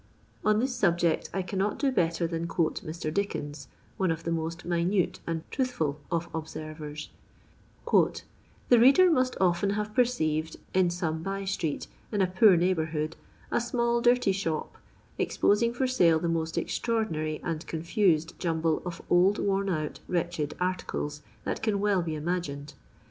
On this subject I cannot do better than qnote Mr. Dickens, one of the most minute and truthful of observers :—" The reader must often have perceived in some by street, in a poor neighbourhood, a amall dirty shop, exposing for sale the most extraordinary and confused jumble of old, worn out, wretched arti cles, that can well be imagined.